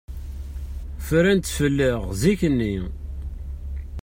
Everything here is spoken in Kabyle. Fran-tt fell-aɣ zik-nni.